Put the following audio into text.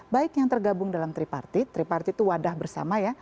baik yang tergabung dalam tripartit triparty itu wadah bersama ya